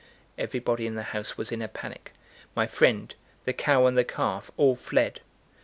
Everybody in the house was in a panic; my friend, the cow and the calf, all fled.